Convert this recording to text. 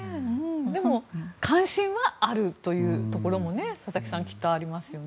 でも、関心はあるというところも佐々木さんきっとありますよね。